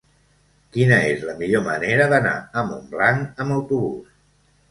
Quina és la millor manera d'anar a Montblanc amb autobús?